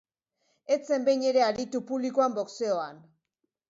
Ez zen behin ere aritu publikoan boxeoan.